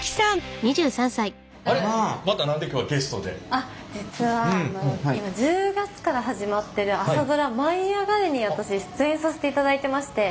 あっ実は今１０月から始まってる朝ドラ「舞いあがれ！」に私出演させていただいてまして。